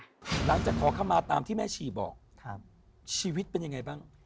หลังจากขอคำมาตามที่แม่ชีบอกครับชีวิตเป็นยังไงบ้าง